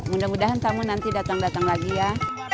mudah mudahan tamu nanti datang datang lagi ya